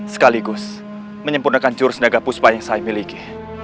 sekaligus menyempurnakan jurus tenaga puspa yang saya miliki